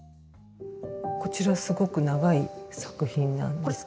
こちらすごく長い作品なんですけれども。